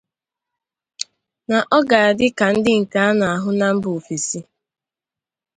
na ọ ga-adị ka ndị nke a na-ahụ na mba ofèsi